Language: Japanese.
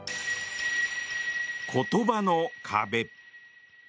言葉の壁。